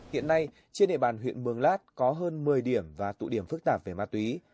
hiện nay trên địa bàn huyện mường lát có hơn một mươi điểm và tụ điểm phức tạp về ma túy